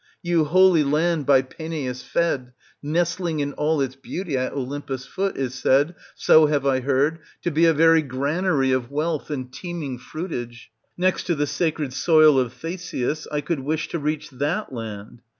Yon holy land by Peneus fed, nestling in all its beauty at Olympus' foot, is said, so have I heard, to be a very granary of wealth and teeming fruitage ; next to the sacred soil of Theseus, I could wish to reach that land.